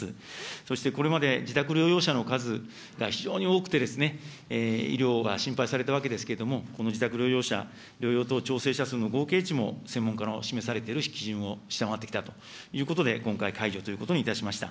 そしてこれまで、自宅療養者の数が非常に多くてですね、医療が心配されたわけですけれども、この自宅療養者、療養等調整者数の合計値も、専門家の示されている基準を下回ってきたということで、今回、解除ということにいたしました。